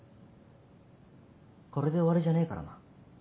これで終わりじゃねえからな。